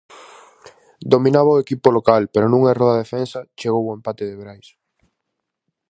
Dominaba o equipo local, pero nun erro da defensa, chegou o empate de Brais.